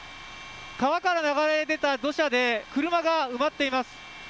川から流れ出た土砂で、車が埋まっています。